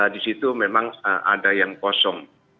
di situ memang ada yang kosong